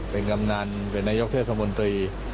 เป็นกำนันเป็นนายกเทศมนตรี